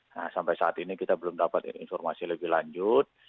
nah sampai saat ini kita belum dapat informasi lebih lanjut